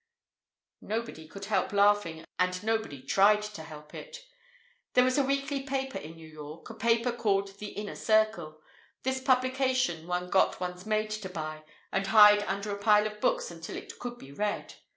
Nobody could help laughing, and nobody tried to help it. There was a weekly paper in New York a paper called the Inner Circle. This publication one got one's maid to buy and hide under a pile of books until it could be read.